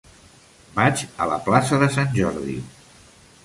Vaig a la plaça de Sant Jordi.